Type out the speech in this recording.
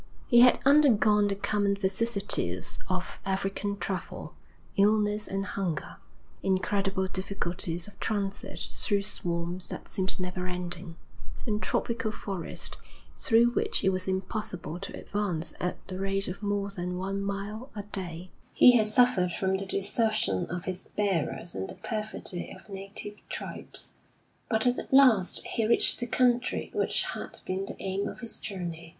He had undergone the common vicissitudes of African travel, illness and hunger, incredible difficulties of transit through swamps that seemed never ending, and tropical forest through which it was impossible to advance at the rate of more than one mile a day; he had suffered from the desertion of his bearers and the perfidy of native tribes. But at last he reached the country which had been the aim of his journey.